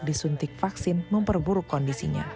disuntik vaksin memperburuk kondisinya